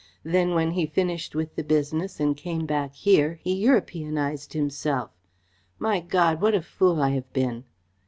Then, when he finished with the business and came back here, he Europeanised himself. My God, what a fool I have been!"